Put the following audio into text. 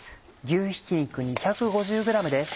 牛ひき肉２５０ｇです。